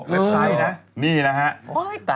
เว็บไซต์นะนี่นะฮะ